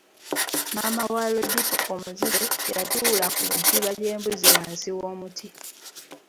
Maama wa Lodipo omuzibe yatuula ku ddiba ly'embuzi wansi w'omuti.